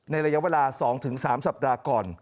ระยะเวลา๒๓สัปดาห์ก่อน